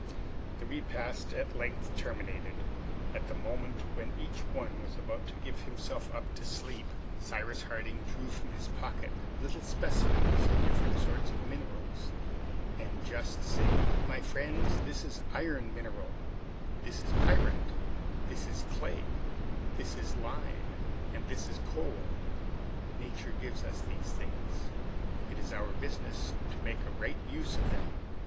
The repast at length terminated; at the moment when each one was about to give himself up to sleep, Cyrus Harding drew from his pocket little specimens of different sorts of minerals, and just said, "My friends, this is iron mineral, this a pyrite, this is clay, this is lime, and this is coal. Nature gives us these things. It is our business to make a right use of them.